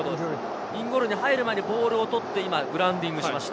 インゴールに入る前にボールを取ってグラウンディングしました。